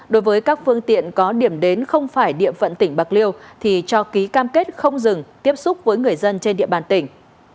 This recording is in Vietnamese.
đối với các phương tiện có điểm đến không phải địa phận tỉnh bạc liêu thì cho ký cam kết không dừng tiếp xúc với người dân trên địa bàn tỉnh